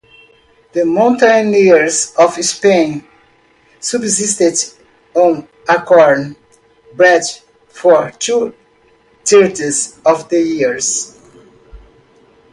The mountaineers of Spain subsisted on acorn bread for two-thirds of the year.